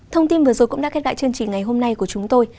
thông tin vừa rồi cũng đã khép lại chương trình ngày hôm nay của chúng tôi